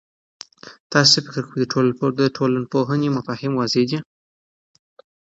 تاسو څه فکر کوئ، د ټولنپوهنې مفاهیم واضح دي؟